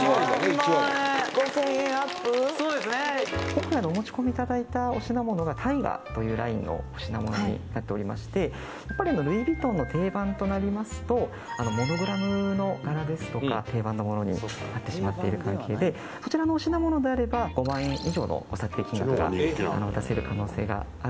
「今回のお持ち込み頂いたお品物がタイガというラインのお品物になっておりましてやっぱりルイ・ヴィトンの定番となりますとモノグラムの柄ですとか定番のものになってしまっている関係でそちらのお品物であれば５万円以上のお査定金額が出せる可能性があるんです」